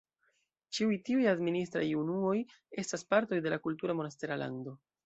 Ĉiuj tiuj administraj unuoj estas partoj de la kultura Monastera Lando.